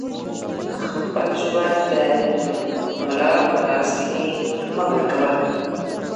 خپل ژوند د ملا په لاس کې مه ورکوه